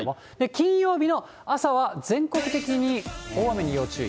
金曜日の朝は、全国的に大雨に要注意。